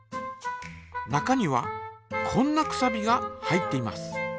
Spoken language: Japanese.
中にはこんなくさびが入っています。